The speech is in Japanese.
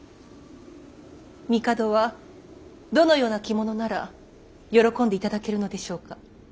帝はどのような着物なら喜んでいただけるのでしょうか。